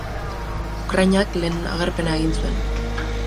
Ukrainak lehen agerpena egin zuen.